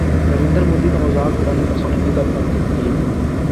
نریندر مودی کا مذاق اڑانے پر سونو نگم پر تنقید